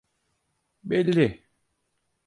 Belli.